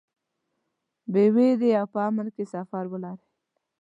بې وېرې او په امن کې سفر ولرئ.